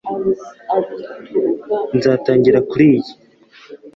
Nzatangira kuriyi